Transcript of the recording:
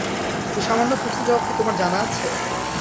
এই সামান্য প্রশ্নের জবাব কি তোমার জানা আছে?